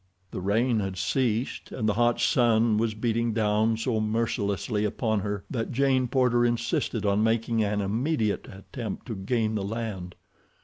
The rain had ceased, and the hot sun was beating down so mercilessly upon her that Jane Porter insisted on making an immediate attempt to gain the land.